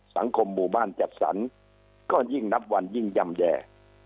หมู่บ้านจัดสรรก็ยิ่งนับวันยิ่งย่ำแย่